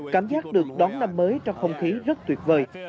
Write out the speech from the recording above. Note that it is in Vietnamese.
cảm giác được đón năm mới trong không khí rất tuyệt vời